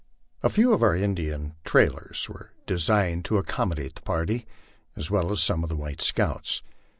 A few of our Indian trailers were designated to accom pany the party, as well as some of the white scouts.